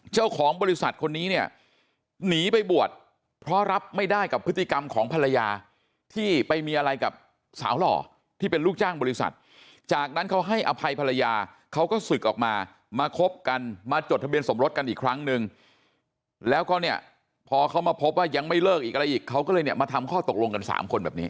เจ้าของบริษัทคนนี้เนี่ยหนีไปบวชเพราะรับไม่ได้กับพฤติกรรมของภรรยาที่ไปมีอะไรกับสาวหล่อที่เป็นลูกจ้างบริษัทจากนั้นเขาให้อภัยภรรยาเขาก็ศึกออกมามาคบกันมาจดทะเบียนสมรสกันอีกครั้งนึงแล้วก็เนี่ยพอเขามาพบว่ายังไม่เลิกอีกอะไรอีกเขาก็เลยเนี่ยมาทำข้อตกลงกันสามคนแบบนี้